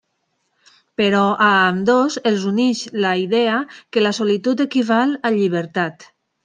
Però a ambdós els uneix la idea que la solitud equival a llibertat.